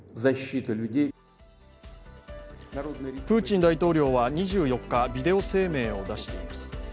プーチン大統領は２４日、ビデオ声明を出しています。